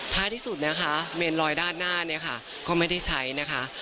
ท้ายที่สุดนะคะเมนลอยด้านหน้าเนี่ยค่ะก็ไม่ได้ใช้นะคะ